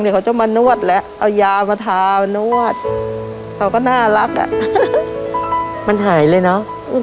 เนี้ยเขาจะมานวดและเอายามาจากมานวดเขาก็น่ารักอะมันหายเลยเนอะ